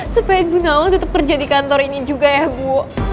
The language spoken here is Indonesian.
supaya bu nawang tetep kerja di kantor ini juga ya bu